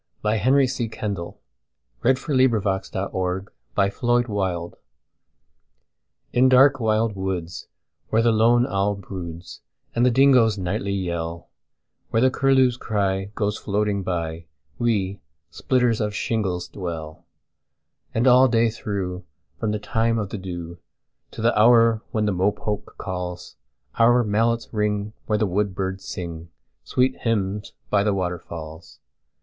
By Henry C. Kendall 27 . Song of the Shingle Splitters IN dark wild woods, where the lone owl broodsAnd the dingoes nightly yell—Where the curlew's cry goes floating by, We splitters of shingles dwell. And all day through, from the time of the dewTo the hour when the mopoke calls, Our mallets ring where the woodbirds singSweet hymns by the waterfalls.